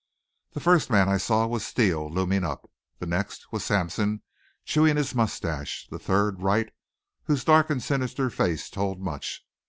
The first man I saw was Steele looming up; the next was Sampson chewing his mustache the third, Wright, whose dark and sinister face told much.